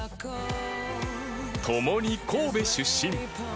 共に神戸出身。